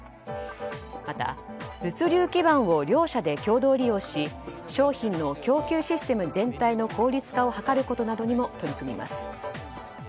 また、物流基盤を両社で共同利用し商品の供給システム全体の効率化を図ることなどにも取り組みます。